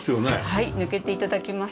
はい抜けて頂きますと。